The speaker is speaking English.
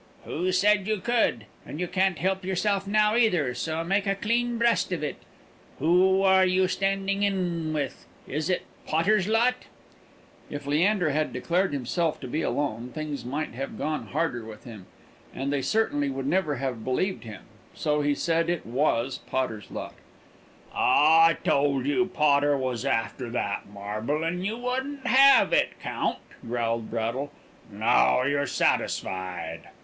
"Who said you could? And you can't help yourself now, either; so make a clean breast of it. Who are you standing in with? Is it Potter's lot?" If Leander had declared himself to be alone, things might have gone harder with him, and they certainly would never have believed him; so he said it was Potter's lot. "I told you Potter was after that marble, and you wouldn't have it, Count," growled Braddle. "Now you're satisfied."